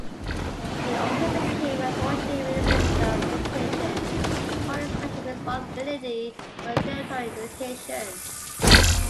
He also became Associate Minister of Education holding special responsibility for tertiary education.